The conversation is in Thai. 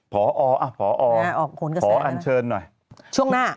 พอพอขออันเชิญหน่อยช่วงหน้า